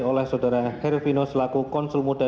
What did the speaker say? oleh saudara hervino selaku konsul muda